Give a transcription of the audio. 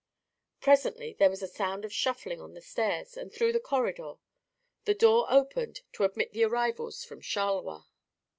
Presently there was a sound of shuffling on the stairs and through the corridor. The door opened to admit the arrivals from Charleroi.